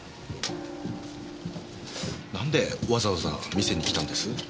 なんでわざわざ見せに来たんです？